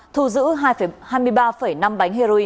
thu giữ hai mươi ba năm bánh heroin